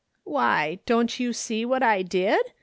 " Why, don't you see what I did